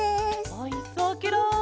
おいしそうケロ。